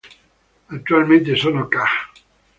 Attualmente sono ca.